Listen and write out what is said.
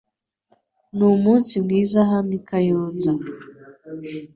Numunsi mwiza hano i Kayonza .